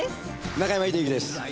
中山秀征です。